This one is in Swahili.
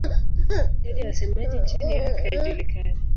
Idadi ya wasemaji nchini Iraq haijulikani.